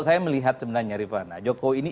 saya melihat sebenarnya rifana jokowi ini